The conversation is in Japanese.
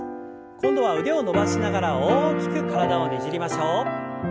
今度は腕を伸ばしながら大きく体をねじりましょう。